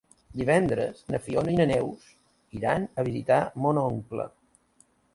Divendres na Fiona i na Neus iran a visitar mon oncle.